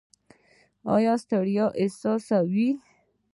ایا ستړیا احساسوئ؟